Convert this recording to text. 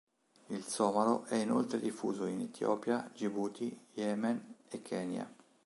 Il somalo è inoltre diffuso in Etiopia, Gibuti, Yemen e Kenya.